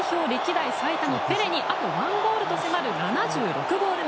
ネイマールが代表歴代最多のペレにあと１ゴールと迫る７６ゴール目。